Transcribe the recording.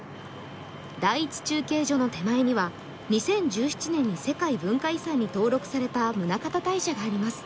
第１中継所の手前には２０１７年に世界異文化遺産に登録された宗像大社があります。